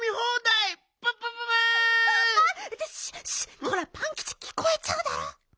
こらパンキチきこえちゃうだろ！